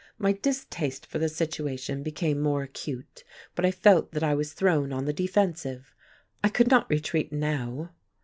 My distaste for the situation became more acute, but I felt that I was thrown on the defensive. I could not retreat, now.